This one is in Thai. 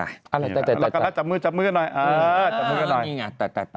หลักกำลังจับมือน้อยนี่ไง